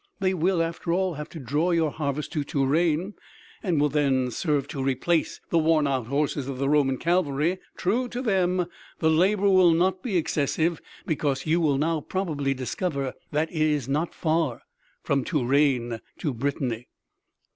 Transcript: "They will, after all, have to draw your harvest to Touraine, and will then serve to replace the worn out horses of the Roman cavalry.... True, to them, the labor will not be excessive ... because you will now probably discover that it is not far from Touraine to Britanny."